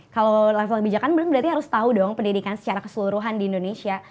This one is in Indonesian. kalau level bijakan berarti harus tahu dong pendidikan secara keseluruhan di indonesia